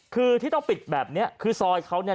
คือที่ต้องปิดแบบนี้ซอยเขา